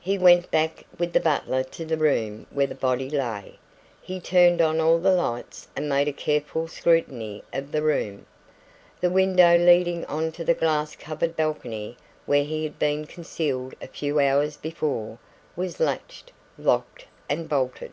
He went back with the butler to the room where the body lay. He turned on all the lights and made a careful scrutiny of the room. The window leading on to the glass covered balcony where he had been concealed a few hours before, was latched, locked and bolted.